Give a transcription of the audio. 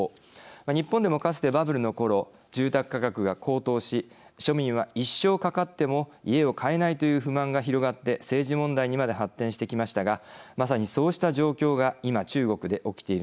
日本でもかつてバブルのころ住宅価格が高騰し庶民は一生かかっても家を買えないという不満が広がって政治問題にまで発展してきましたがまさにそうした状況が今中国で起きているのです。